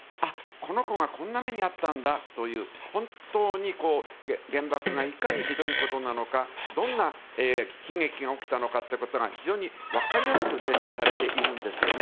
この子がこんな目に遭ったんだという、本当に原爆がいかにひどいことなのか、どんな悲劇が起きたのかということが非常にわかりやすく展示されているんですよね。